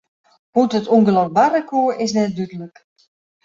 Hoe't it ûngelok barre koe, is net dúdlik.